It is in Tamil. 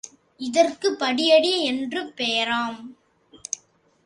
இதற்குப் படியடி என்று பெயராம்.